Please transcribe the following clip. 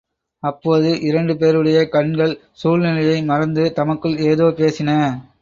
அப்போது இரண்டு பேருடைய கண்கள் சூழ்நிலையை மறந்து தமக்குள் ஏதோ பேசின.